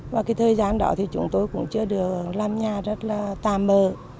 và cái thời gian đó thì chúng tôi cũng chưa được làm nhà rất là tà mờ